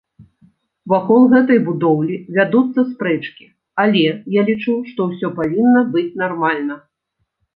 Вакол гэтай будоўлі вядуцца спрэчкі, але, я лічу, што ўсё павінна быць нармальна.